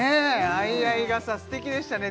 相合い傘すてきでしたね